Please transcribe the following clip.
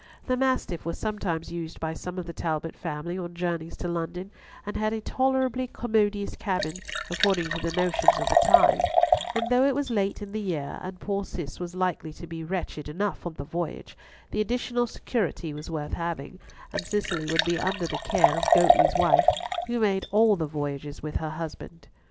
The Mastiff was sometimes used by some of the Talbot family on journeys to London, and had a tolerably commodious cabin, according to the notions of the time; and though it was late in the year, and poor Cis was likely to be wretched enough on the voyage, the additional security was worth having, and Cicely would be under the care of Goatley's wife, who made all the voyages with her husband.